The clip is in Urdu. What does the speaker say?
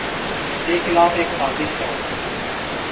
کے خلاف ایک سازش ہے۔